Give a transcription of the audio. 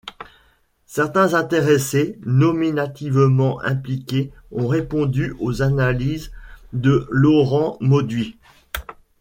Certains intéressés, nominativement impliqués ont répondu aux analyses de Laurent Mauduit.